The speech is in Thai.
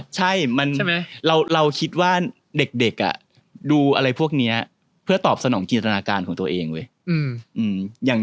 ใช่เราคิดว่าเด็กดูอะไรพวกนี้เพื่อตอบสนองจินตนาการของตัวเองเว้ย